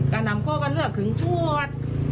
ก็น้ำโค้กก็เลือกถึงขวด